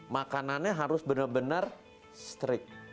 makanannya harus benar benar strict